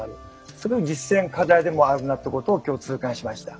それが実践課題でもあるなってことを今日痛感しました。